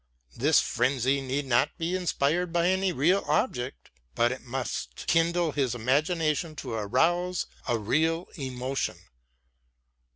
This frenzy need not be inspired by any real object, but it must kindle his imagination to arouse a real emotion.